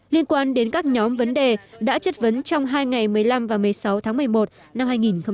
liên quan đến các nhóm vấn đề đã chất vấn trong hai ngày một mươi năm và một mươi sáu tháng một mươi một năm hai nghìn một mươi chín